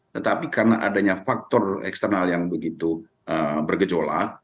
tetapi karena adanya faktor eksternal yang begitu bergejolak